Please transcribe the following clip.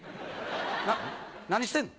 な何してんの？